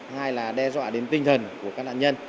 hai là đe dọa đến tinh thần của các nạn nhân